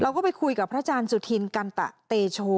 เราก็ไปคุยกับท่าพระราชาญสุทินกัลตะเตโช